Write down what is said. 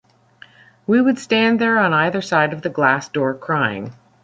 We would stand there on either side of the glass door crying.